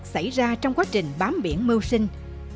xảy ra trong quá trình bám biển mưu sinh